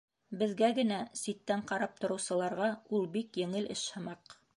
Беҙгә генә, ситтән ҡарап тороусыларға, ул бик еңел эш һымаҡ.